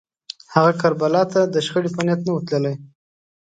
هغه کربلا ته د شخړې په نیت نه و تللی